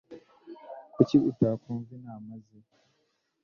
Kuki utakwumva inama ze?